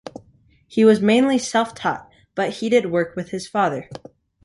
He was mainly self-taught, but he did work with his father.